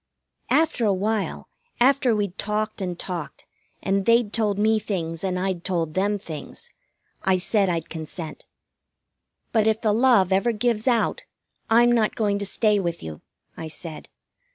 After a while, after we'd talked and talked, and they'd told me things and I'd told them things, I said I'd consent. "But if the love ever gives out, I'm not going to stay with you," I said.